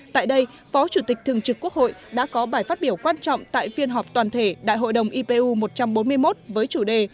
tại đây phó chủ tịch thường trực quốc hội đã có bài phát biểu quan trọng tại phiên họp toàn thể đại hội đồng ipu một trăm bốn mươi một với chủ đề